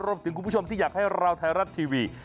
คุณผู้ชมที่อยากให้เราไทยรัฐทีวี